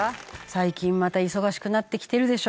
最近また忙しくなってきてるでしょう？